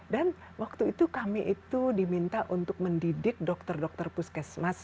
dan waktu itu kami itu diminta untuk mendidik dokter dokter puskesmas